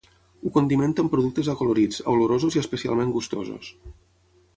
Ho condimento amb productes acolorits, olorosos i especialment gustosos.